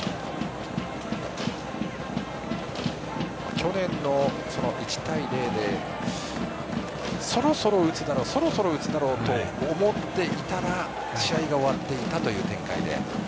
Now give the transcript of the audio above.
去年の１対０でそろそろ打つだろうと思っていたら試合が終わっていたという展開で。